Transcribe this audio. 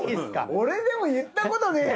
俺でも言ったことねえよ